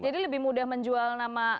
jadi lebih mudah menjual nama